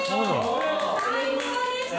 最高でした。